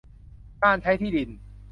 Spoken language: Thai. การใช้ที่ดิน